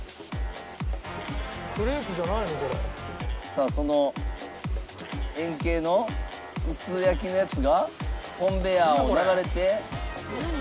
さあその円形の薄焼きのやつがコンベヤーを流れて。